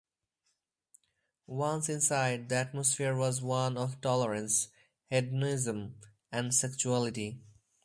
Once inside, the atmosphere was one of tolerance, hedonism, and sexuality.